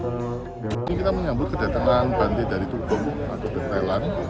ini kita menyambut kedatangan bandit dari tukung atau dari thailand